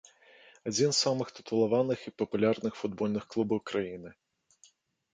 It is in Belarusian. Адзін з самым тытулаваных і папулярных футбольных клубаў краіны.